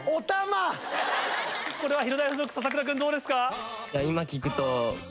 これは広大附属篠倉君どうですか？